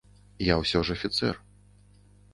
Я ўсё ж афіцэр.